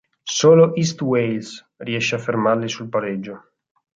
Solo East Wales riesce a fermarli sul pareggio.